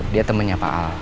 dia temennya pak al